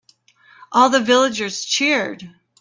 All the villagers cheered.